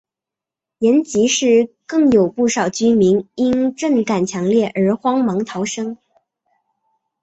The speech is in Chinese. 延吉市更有不少居民因震感强烈而慌忙逃生。